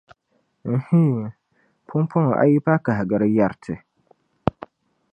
N-hii, pumpɔŋɔ a yipa kahigiri yɛri ti.